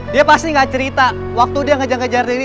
dia pasti gak cerita waktu dia ngejar kejar riri